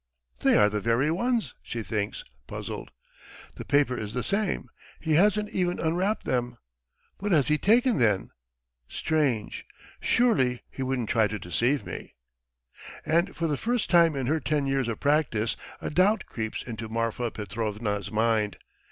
"They are the very ones," she thinks puzzled. "... The paper is the same. ... He hasn't even unwrapped them! What has he taken then? Strange. ... Surely he wouldn't try to deceive me!" And for the first time in her ten years of practice a doubt creeps into Marfa Petrovna's mind.